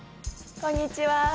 こんにちは。